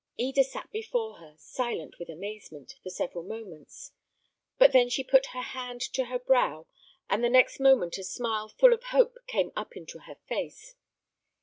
Eda sat before her, silent with amazement, for several moments; but then she put her hand to her brow, and the next moment a smile full of hope came up into her face.